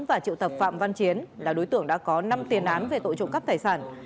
và triệu tập phạm văn chiến là đối tượng đã có năm tiền án về tội trộm cắp tài sản